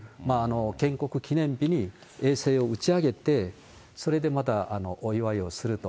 建国記念日に衛星を打ち上げて、それでまたお祝いをすると。